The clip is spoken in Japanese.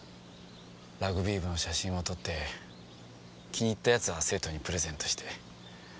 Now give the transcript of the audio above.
ラグビー部の写真を撮って気に入ったやつは生徒にプレゼントして。